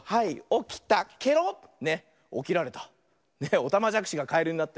おたまじゃくしがカエルになったよ。ね。